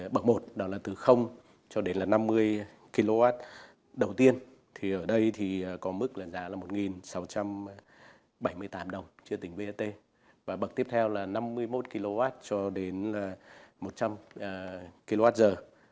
bậc một là từ cho đến năm mươi kw đầu tiên có mức giá là một sáu trăm bảy mươi tám đồng bậc tiếp theo là năm mươi một kw cho đến một trăm linh kwh